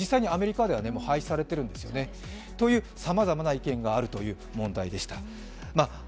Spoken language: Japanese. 実際にアメリカではもう廃止されているんですよね。というさまざまな意見があるということでした。